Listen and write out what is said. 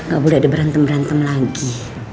gak boleh ada berantem berantem lagi